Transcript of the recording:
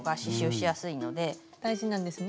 大事なんですね。